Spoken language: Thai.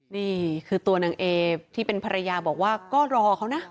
นี่คือตัวนางเอที่เป็นภรรยาบอกว่าก็รอเขานะ